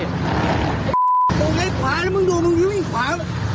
ไอ้ตรงไอ้ขวาแล้วมึงดูมึงดูไอ้ขวา